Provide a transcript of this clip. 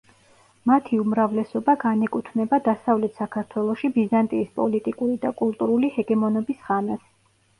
მათი უმრავლესობა განეკუთვნება დასავლეთ საქართველოში ბიზანტიის პოლიტიკური და კულტურული ჰეგემონობის ხანას.